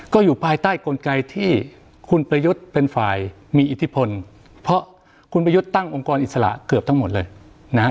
ก็อยู่ภายใต้กลไกที่คุณประยุทธ์เป็นฝ่ายมีอิทธิพลเพราะคุณประยุทธ์ตั้งองค์กรอิสระเกือบทั้งหมดเลยนะ